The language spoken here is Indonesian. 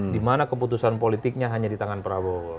dimana keputusan politiknya hanya di tangan prabowo